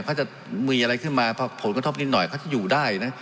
เขาจะมีอะไรขึ้นมาผลกระทบนิดหน่อยเขาจะอยู่ได้นะ